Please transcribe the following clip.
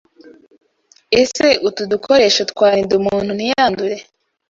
Ese utu dukoresho twarinda umuntu ntiyandure